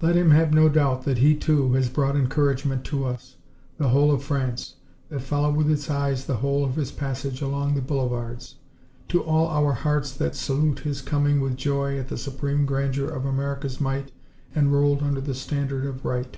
"Let him have no doubt that he, too, has brought encouragement to us, the whole of France, that followed with its eyes the whole of his passage along the boulevards; to all our hearts that salute his coming with joy at the supreme grandeur of America's might enrolled under the standard of right.